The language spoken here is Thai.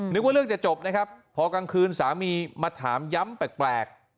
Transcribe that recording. นึกว่าเรื่องจะจบนะครับพอกลางคืนสามีมาถามย้ำแปลก